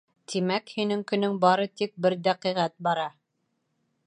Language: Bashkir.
Тимәк, һинең көнөң бары тик бер дәҡиғәт бара!